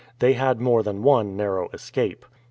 They had more than one narrow escape.